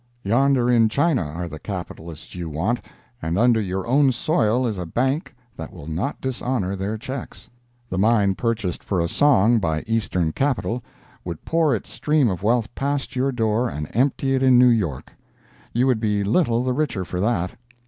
Yonder in China are the capitalists you want—and under your own soil is a bank that will not dishonor their checks. The mine purchased for a song by Eastern capital would pour its stream of wealth past your door and empty it in New York. You would be little the richer for that.